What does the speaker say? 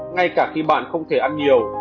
ngay cả khi bạn không thể ăn nhiều